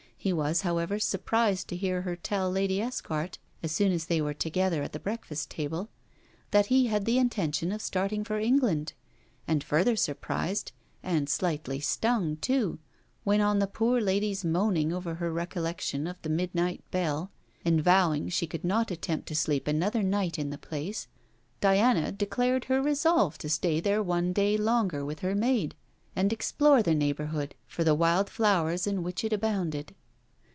He was, however, surprised to hear her tell Lady Esquart, as soon as they were together at the breakfast table, that he had the intention of starting for England; and further surprised, and slightly stung too, when on the poor lady's, moaning over her recollection of the midnight Bell, and vowing she could not attempt to sleep another night in the place, Diana declared her resolve to stay there one day longer with her maid, and explore the neighbourhood for the wild flowers in which it abounded.